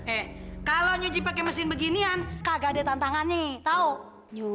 eh kalau nyuci pakai mesin beginian kagak ada tantangannya